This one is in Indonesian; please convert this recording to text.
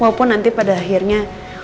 walaupun nanti pada akhirnya